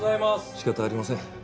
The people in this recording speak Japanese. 仕方ありません。